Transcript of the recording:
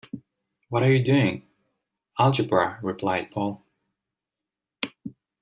“What are you doing?” “Algebra,” replied Paul.